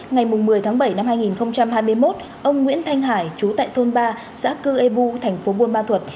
ngày một mươi tháng bảy năm hai nghìn hai mươi một ông nguyễn thanh hải chú tại thôn ba xã cư ê bu tp bunma thuật